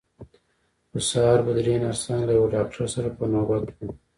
خو سهار به درې نرسان له یوه ډاکټر سره په نوبت وو.